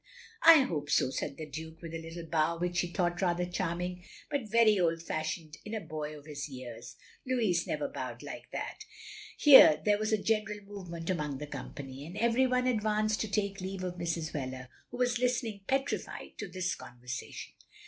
" I hope so, " said the Duke, with a little bow which she thought rather charming, but very old fashioned in a boy of his years. Louis never bowed like that. Here there was a general movement among the company, and every one advanced to take leave of Mrs. Wheler, who was listening, petrii&ed, to this conversation.